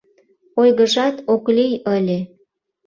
Ойгыжат ок лий ыле.